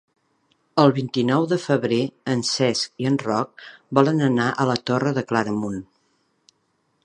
El vint-i-nou de febrer en Cesc i en Roc volen anar a la Torre de Claramunt.